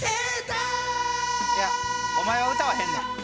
いやお前は歌わへんねん。